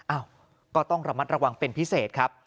อ้าวก็ต้องระมัดระวังเป็นพิเศษครับ